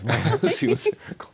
すいません。